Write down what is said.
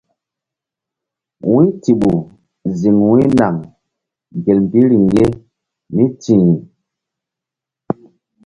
Wu̧y Tiɓu ziŋ Wu̧ynaŋ gel mbí riŋ ye mí ti̧h.